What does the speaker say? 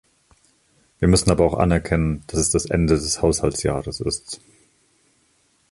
Wir müssen aber auch erkennen, dass es das Ende des Haushaltsjahrs ist.